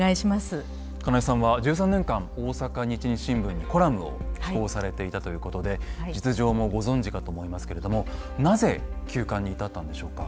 金井さんは１３年間大阪日日新聞にコラムを寄稿されていたということで実情もご存じかと思いますけれどもなぜ休刊に至ったんでしょうか？